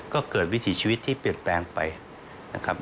ก็เกิดวิถีชีวิตที่เปลี่ยนแปลงไปนะครับ